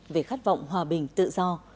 về khát vọng hòa bình tự do